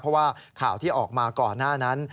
เพราะว่าข่าวที่ออกมาก่อนหน้านั้น